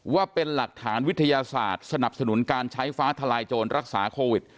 ว่าเป็นหลักฐานวิทยาศาสตร์สนับสนุนการใช้ฟ้าทลายโจรรักษาโควิด